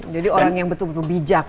jadi orang yang betul betul bijak